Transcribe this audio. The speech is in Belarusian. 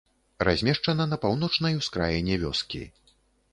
Размешчана на паўночнай ускраіне вёскі.